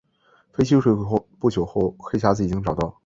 飞机坠毁后不久黑匣子已经找到。